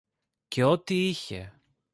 και ό,τι είχε